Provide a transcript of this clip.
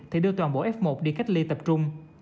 thì đưa toàn bộ f một đi cách ly tập trung